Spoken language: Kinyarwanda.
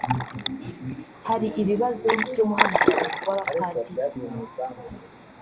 Hari ibibazo by’umuhamagaro w’abapadiri